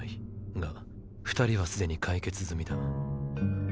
が二人はすでに解決済みだ。